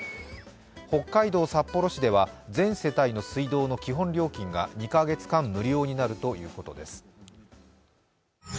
北海道札幌市では全世帯の水道の基本料金が２カ月間無料になるということです